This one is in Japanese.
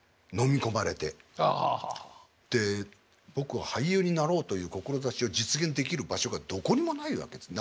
で僕は俳優になろうという志を実現できる場所がどこにもないわけです。